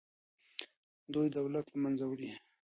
دوی دولت له منځه وړي.